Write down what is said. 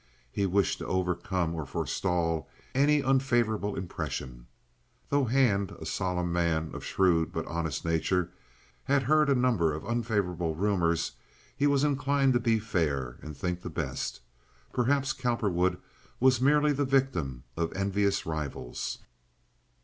He wished to overcome or forestall any unfavorable impression. Though Hand, a solemn man of shrewd but honest nature, had heard a number of unfavorable rumors, he was inclined to be fair and think the best. Perhaps Cowperwood was merely the victim of envious rivals.